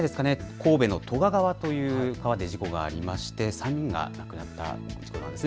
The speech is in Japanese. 神戸の都賀川という川で事故がありまして３人が亡くなった事故なんです。